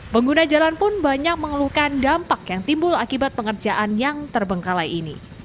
pengguna jalan pun banyak mengeluhkan dampak yang timbul akibat pengerjaan yang terbengkalai ini